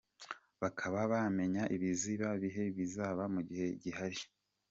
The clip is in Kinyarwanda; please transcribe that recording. bakaba bamenya ibizaba mu bihe bizaza, mu gihe hari